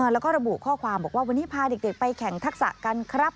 แล้วก็ระบุข้อความบอกว่าวันนี้พาเด็กไปแข่งทักษะกันครับ